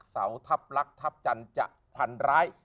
เสาทัพลักษณ์ทัพจันทร์จะพันร้าย